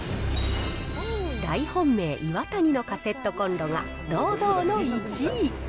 大本命、イワタニのカセットコンロが堂々の１位。